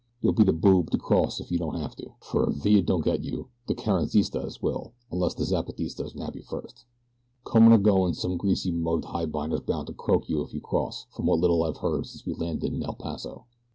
You'd be a boob to cross if you don't have to, fer if Villa don't get you the Carranzistas will, unless the Zapatistas nab you first. "Comin' or goin' some greasy mugged highbinder's bound to croak you if you cross, from what little I've heard since we landed in El Paso.